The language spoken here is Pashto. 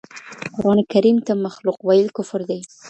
قران کريم ته مخلوق ويل کفر دی.